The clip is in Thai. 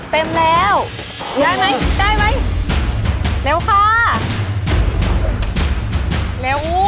เต็มแล้วได้ไหมได้ไหมเร็วค่ะ